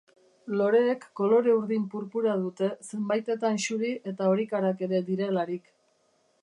Loreek kolore urdin purpura dute, zenbaitetan xuri eta horikarak ere direlarik.